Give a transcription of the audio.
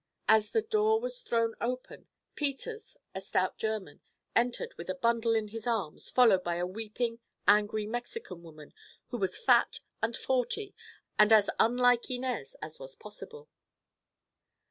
As the door was thrown open Peters—a stout German—entered with a bundle in his arms, followed by a weeping, angry Mexican woman who was fat and forty and as unlike Inez as was possible.